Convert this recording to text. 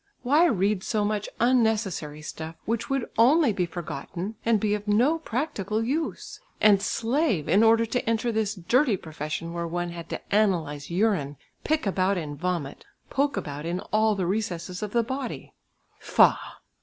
Why read so much unnecessary stuff, which would only be forgotten, and be of no practical use? And slave in order to enter this dirty profession where one had to analyse urine, pick about in vomit, poke about in all the recesses of the body? Faugh!